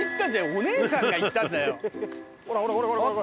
お姉さんが言ったんだよ！